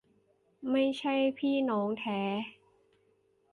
ไม่ใช่พี่น้องแท้